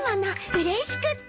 うれしくって。